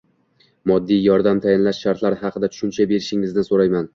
moddiy yordam tayinlash shartlari haqida tushuncha berishingizni so‘rayman?